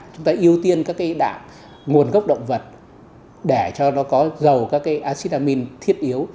chúng ta ưu tiên các đạm nguồn gốc động vật để cho nó có dầu các acid amine thiết yếu